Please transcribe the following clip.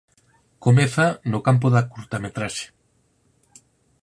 Comeza no campo da curtametraxe.